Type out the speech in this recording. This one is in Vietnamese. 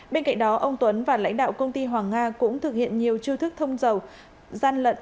bên cạnh đó ông tuấn và lãnh đạo công ty hoàng nga cũng thực hiện nhiều chiêu thức thông dầu gian lận